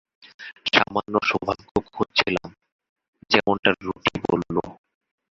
সামান্য সৌভাগ্য খুঁজছিলাম, যেমনটা রুটি বলল।